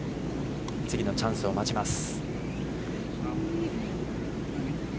次のチャンスを待ちます。